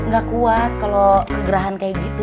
gak kuat kalau kegerahan kayak gitu